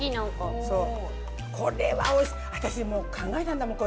そうこれはおいしい私もう考えたんだもん